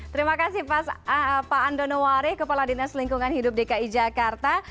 terima kasih pak andono wari kepala dinas lingkungan hidup dki jakarta